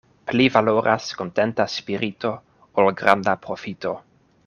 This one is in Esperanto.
Pli valoras kontenta spirito, ol granda profito.